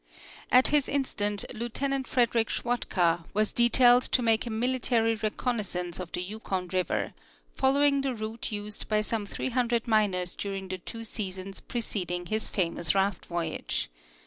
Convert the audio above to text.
At his in stance Lieutenant Frederick Schwatka was detailed to make a military reconnaissance of the Yukon river, following the route used by some three hundred miners during the two seasons preceding his famous raft voyage.